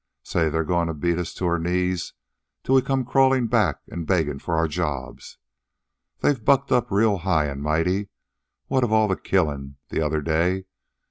Say they're goin' to beat us to our knees till we come crawlin' back a beggin' for our jobs. They've bucked up real high an' mighty what of all that killin' the other day.